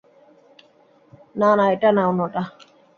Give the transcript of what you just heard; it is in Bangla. না না এটা না অন্যটা।